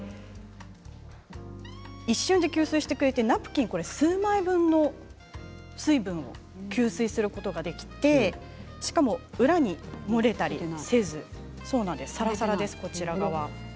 一瞬で吸水してくれてナプキン数枚分の水分を吸水することができてしかも裏に漏れたりせずさらさらです。